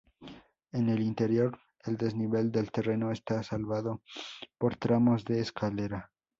En el interior, el desnivel del terreno está salvado por tramos de escalera.